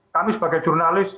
kami sebagai jurnalis